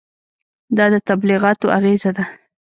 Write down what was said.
دا د تبلیغاتو اغېزه ده.